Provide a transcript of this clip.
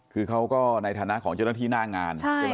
คือเขาก็ในฐานะของเจ้าหน้าที่หน้างาน